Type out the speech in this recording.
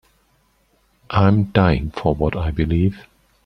I'm dying for what I believe.